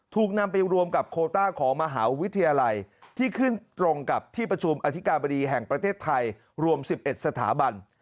ถูกนำไปรวมกับโคต้าของมหาวิทยาลัยที่ขึ้นตรงกับที่ประชุมอธิกาบดีแห่งประเทศไทยรวม๑๑สถาบัน